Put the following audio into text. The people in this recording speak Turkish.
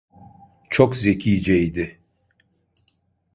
Çok zekiceydi.